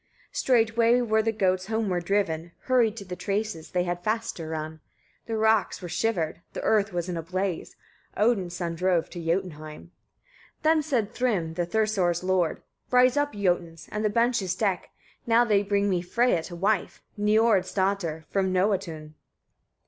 22. Straightway were the goats homeward driven, hurried to the traces; they had fast to run. The rocks were shivered, the earth was in a blaze; Odin's son drove to Jotunheim. 23. Then said Thrym, the Thursar's lord: "Rise up, Jotuns! and the benches deck, now they bring me Freyia to wife, Niord's daughter, from Noatun.